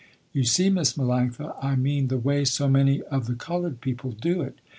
You see Miss Melanctha I mean the way so many of the colored people do it.